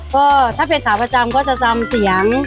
ก็ถ้าเป็นขาประจำก็จะจำเสียง